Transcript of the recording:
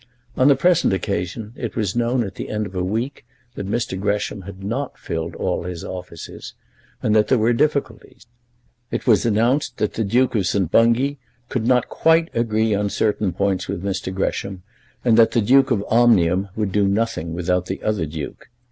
On the present occasion it was known at the end of a week that Mr. Gresham had not filled all his offices, and that there were difficulties. It was announced that the Duke of St. Bungay could not quite agree on certain points with Mr. Gresham, and that the Duke of Omnium would do nothing without the other Duke.